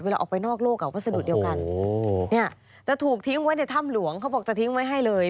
เวลาออกไปนอกโลกวัสดุเดียวกันจะถูกทิ้งไว้ในถ้ำหลวงเขาบอกจะทิ้งไว้ให้เลย